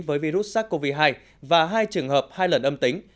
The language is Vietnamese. với virus sars cov hai và hai trường hợp hai lần âm tính